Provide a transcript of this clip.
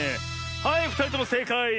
はいふたりともせいかい！